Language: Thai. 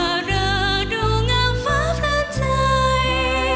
ให้เดร่าดูงามฟ้าพลาดใจ